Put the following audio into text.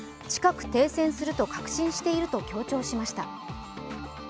近く停戦すると確信していると強調しました。